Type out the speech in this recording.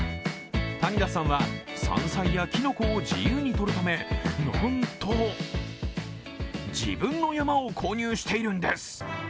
谷田さんは、山菜やきのこを自由に採るため、なんと自分の山を購入しているんです。